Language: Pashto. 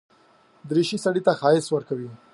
دریشي سړي ته ښايست ورکوي.